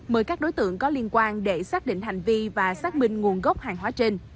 mời các đối tượng có liên quan để xác định hành vi và xác minh nguồn gốc hàng hóa trên